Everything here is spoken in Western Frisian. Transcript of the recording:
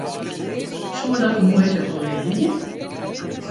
Soe dat de muoite wol leanje?